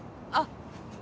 あっ。